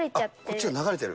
こっちが流れてる？